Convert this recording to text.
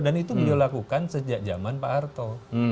dan itu beliau lakukan sejak zaman pak harto